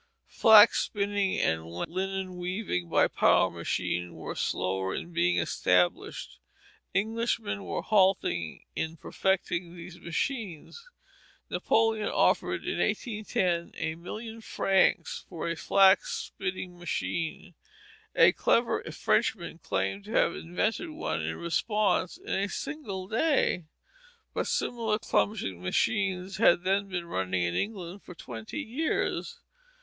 Flax spinning and linen weaving by power machinery were slower in being established. Englishmen were halting in perfecting these machines. Napoleon offered in 1810 a million francs for a flax spinning machine. A clever Frenchman claimed to have invented one in response in a single day, but similar clumsy machines had then been running in England for twenty years.